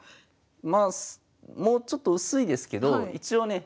まあもうちょっと薄いですけど一応ね